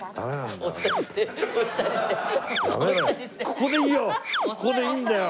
ここでいいんだよ。